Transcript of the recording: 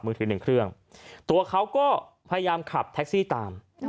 ถือหนึ่งเครื่องตัวเขาก็พยายามขับแท็กซี่ตาม